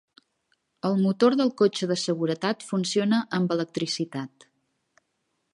El motor del cotxe de seguretat funciona amb electricitat.